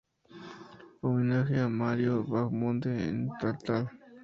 Homenaje a Mario Bahamonde en Taltal.